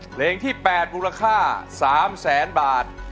เพลงที่๘มูลค่า๓แสนบาท